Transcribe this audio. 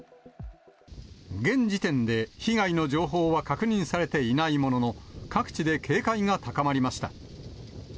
現時点で被害の情報は確認されていないものの、各地で警戒が高まりました。